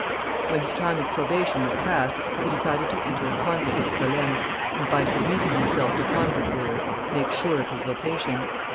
When his time of probation was passed, he decided to enter a convent at Solesmes, and by submitting himself to convent rules, make sure of his vocation.